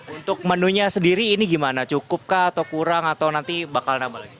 untuk menunya sendiri ini gimana cukup kah atau kurang atau nanti bakal nambah lagi